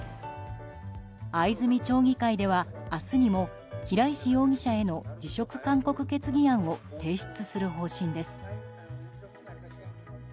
藍住町議会では明日にも平石容疑者への辞職勧告決議案を提出する方針です。